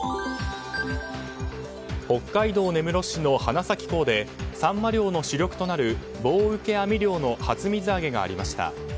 北海道根室市の花咲港でサンマ漁の主力となる棒受け網漁の初水揚げがありました。